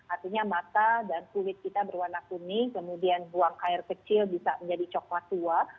artinya mata dan kulit kita berwarna kuning kemudian buang air kecil bisa menjadi coklat tua